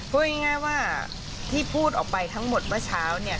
พูดง่ายว่าที่พูดออกไปทั้งหมดเมื่อเช้าเนี่ย